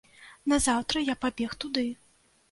Назаўтра я пабег туды.